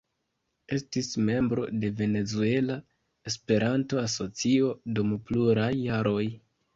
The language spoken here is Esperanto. Estis membro de Venezuela Esperanto-Asocio dum pluraj jaroj.